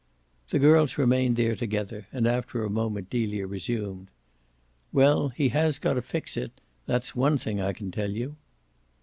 The girls remained there together and after a moment Delia resumed. "Well, he has got to fix it that's one thing I can tell you."